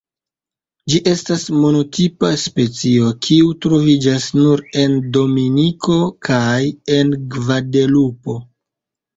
Ĝi estas monotipa specio kiu troviĝas nur en Dominiko kaj en Gvadelupo.